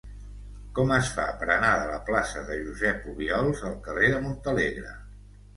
Com es fa per anar de la plaça de Josep Obiols al carrer de Montalegre?